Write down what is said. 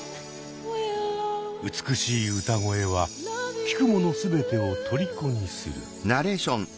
美しい歌声は聴くもの全てを虜にする。